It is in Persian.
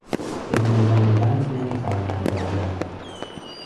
بدون زانوبند نمیتواند راه برود.